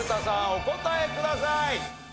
お答えください。